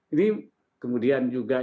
ini kemudian juga indonesia